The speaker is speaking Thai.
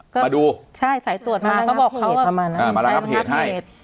ก็มาดูใช่สายตรวจมาเขาบอกเขาว่าอ่ามารับเหตุให้